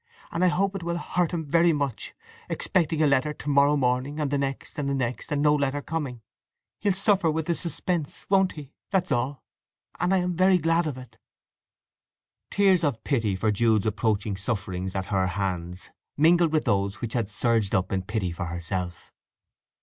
And I hope it will hurt him very much—expecting a letter to morrow morning, and the next, and the next, and no letter coming. He'll suffer then with suspense—won't he, that's all!—and I am very glad of it!"—Tears of pity for Jude's approaching sufferings at her hands mingled with those which had surged up in pity for herself.